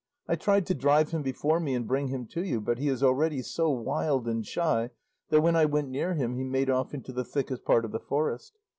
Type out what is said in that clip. I tried to drive him before me and bring him to you, but he is already so wild and shy that when I went near him he made off into the thickest part of the forest.